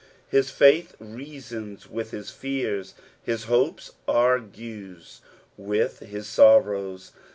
His faith reasons with his fears, his hope argues with his sorrows.